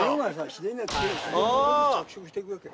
自然に着色していくわけ。